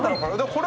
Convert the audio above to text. これ。